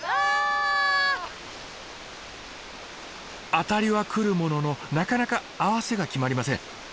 アタリは来るもののなかなか合わせが決まりません。